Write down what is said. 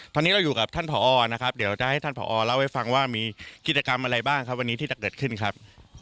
ตอนนี้เราอยู่กับท่านผอนะครับเดี๋ยวจะให้ท่านผอเล่าให้ฟังว่ามีกิจกรรมอะไรบ้างครับวันนี้ที่จะเกิดขึ้นครับ